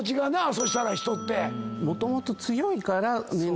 そしたら人って。